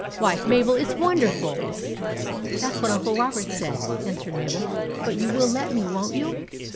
Why, Mabel, it 's wonderful !" "That's what Uncle Robert said," an swered Mabel. " But you will let me, won't you